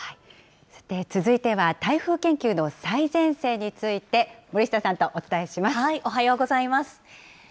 さて、続いては台風研究の最前線について、森下さんとお伝えおはようございます。